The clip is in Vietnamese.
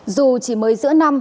dù chỉ mới giữa năm